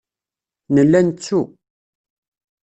Nella nettu.